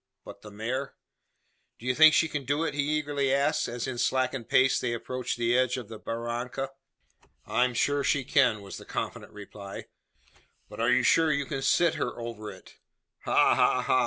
But the mare? "Do you think she can do it?" he eagerly asked, as, in slackened pace, they approached the edge of the barranca. "I am sure she can," was the confident reply. "But are you sure you can sit her over it?" "Ha! ha! ha!"